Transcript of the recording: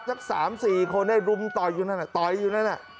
สัก๓๔คนได้รุมต่อยอยู่นั่นต่อยอยู่นั่นน่ะ